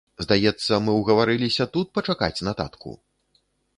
Здаецца, мы ўгаварыліся тут пачакаць на татку?